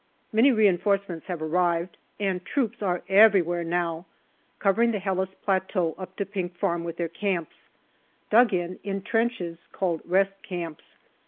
Many reinforcements have arrived, and troops are every where now, covering the Helles plateau up to Pink Farm with their camps, dug in in trenches called rest camps.